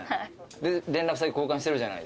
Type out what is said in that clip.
で連絡先交換してるじゃないですか。